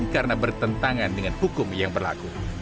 karena bertentangan dengan hukum yang berlaku